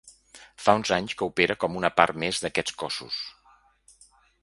Fa uns anys que opera com una part més d’aquests cossos.